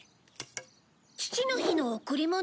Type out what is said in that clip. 父の日の贈り物？